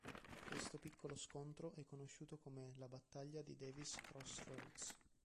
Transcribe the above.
Questo piccolo scontro è conosciuto come la battaglia di Davis' Crossroads.